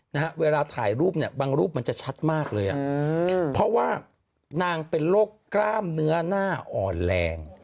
นะฮะเวลาถ่ายรูปเนี่ยบางรูปมันจะชัดมากเลยอ่ะอืมเพราะว่านางเป็นโรคกล้ามเนื้อหน้าอ่อนแรง